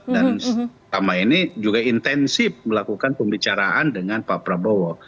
selama ini juga intensif melakukan pembicaraan dengan pak prabowo